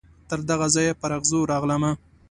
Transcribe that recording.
تر دغه ځایه پر اغزو راغلمه